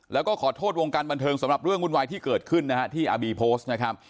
แล้วก็ขอโทษวงการบันเทิงสำหรับเรื่องวุ่นวายที่เกิดขึ้นนะฮะที่อาบีโพสต์นะครับ